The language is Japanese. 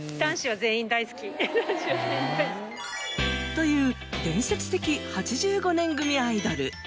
という伝説的８５年組アイドル。